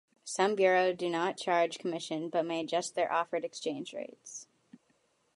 Some bureaux do not charge commission but may adjust their offered exchange rates.